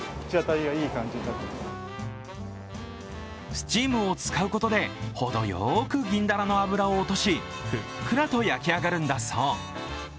スチームを使うことでほどよく銀だらの脂を落とし、ふっくらと焼き上がるんだそう。